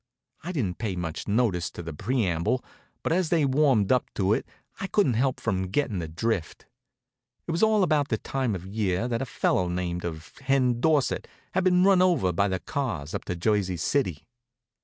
I didn't pay much notice to the preamble, but as they warmed up to it I couldn't help from gettin' the drift. It was all about the time of year that a feller by the name of Hen Dorsett had been run over by the cars up to Jersey City.